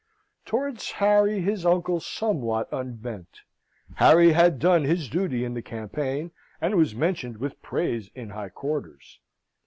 Towards Harry his uncle somewhat unbent; Harry had done his duty in the campaign, and was mentioned with praise in high quarters.